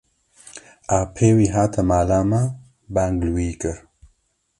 Apê wî hate mala me bang li wî kir.